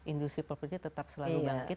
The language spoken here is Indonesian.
industri properti tetap selalu bangkit